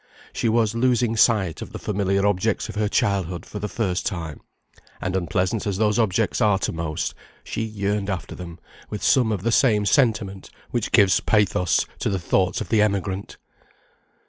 She was losing sight of the familiar objects of her childhood for the first time; and unpleasant as those objects are to most, she yearned after them with some of the same sentiment which gives pathos to the thoughts of the emigrant.